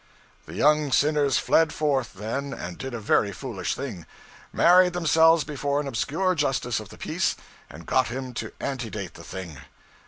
The young sinners fled forth then, and did a very foolish thing: married themselves before an obscure Justice of the Peace, and got him to antedate the thing.